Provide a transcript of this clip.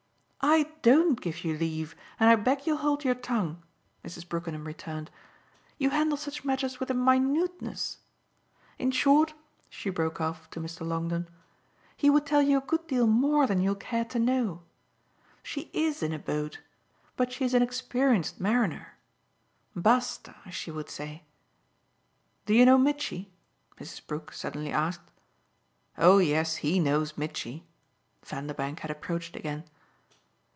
"I DON'T give you leave and I beg you'll hold your tongue," Mrs. Brookenham returned. "You handle such matters with a minuteness ! In short," she broke off to Mr. Longdon, "he would tell you a good deal more than you'll care to know. She IS in a boat but she's an experienced mariner. Basta, as she would say. Do you know Mitchy?" Mrs. Brook suddenly asked. "Oh yes, he knows Mitchy" Vanderbank had approached again.